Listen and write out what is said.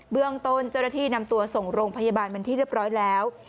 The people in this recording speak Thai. เรื่องต้นเจ้าหน้าที่นำตัวส่งโรงพยาบาลเป็นที่เรียบร้อยแล้ว